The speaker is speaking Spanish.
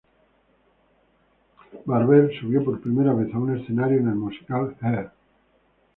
Barber subió por primera vez a un escenario en el musical Hair.